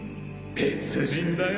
別人だよ